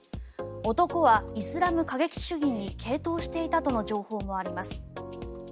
男はイスラム過激主義に傾倒していたとの情報もあります。